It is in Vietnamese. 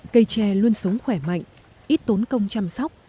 cây tre luôn sống khỏe mạnh ít tốn công chăm sóc